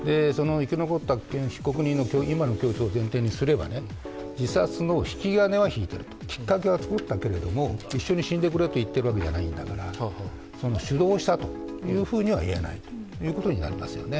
生き残った被告人の今の供述を前提にすれば自殺の引き金は引いている、きっかけはあったけど実際に死んでくれと言ってるわけじゃないから主導したというふうには言えないということになりますよね。